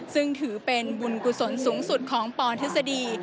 ซึ่งถือเป็นบุญกุศลสูงสุดของปทฤษฎี